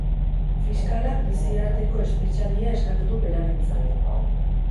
Fiskalak biziarteko espetxealdia eskatu du berarentzat.